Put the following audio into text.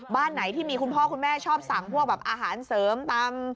บ้านไหนที่มีคุณพ่อคุณแม่ชอบสั่งพวกแบบอาหารเสริมตำ